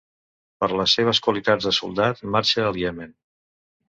Per les seves qualitats de soldat, marxa al Iemen.